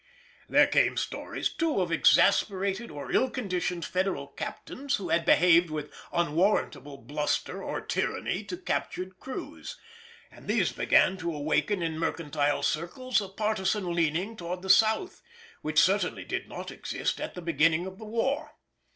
There came stories, too, of exasperated or ill conditioned Federal captains who had behaved with unwarrantable bluster or tyranny to captured crews, and these began to awaken in mercantile circles a partisan leaning towards the South, which certainly did not exist at the beginning of the war.